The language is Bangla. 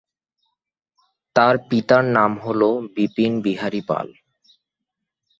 তার পিতার নাম হলো বিপিন বিহারি পাল।